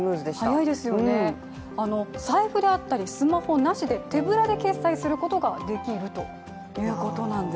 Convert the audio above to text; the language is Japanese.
早いですよね、財布であったりスマホなしで手ぶらで決済することができるということなんです。